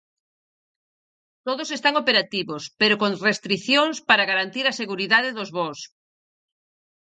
Todos están operativos, pero con restricións para garantir a seguridade dos voos.